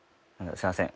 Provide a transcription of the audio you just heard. すいません。